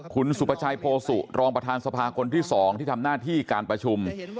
คุณสุประชัยโพสุรองประธานสภาคนที่๒ที่ทำหน้าที่การประชุม